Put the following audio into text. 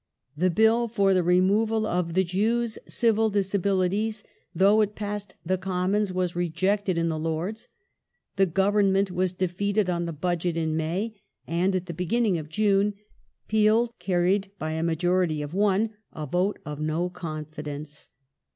The Bill for the removal of the Jews' Civil Disabilities, though it passed the Commons, was rejected in the Lords ; the Government was defeated on the Budget in May, and, at the beginning of June, Peel carried by a majority of one a vote of no confidence.